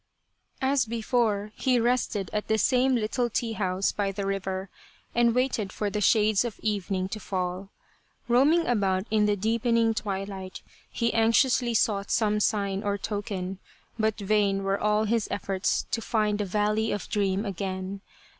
As before, he rested at the same little tea house by the river and waited for the shades of evening to fall. Roaming about in the deepening twilight, he anxiously sought some sign or token, but vain were all his efforts to find the valley of dream again.